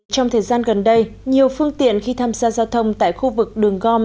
trong thời gian gần đây nhiều phương tiện khi tham gia giao thông tại khu vực đường gom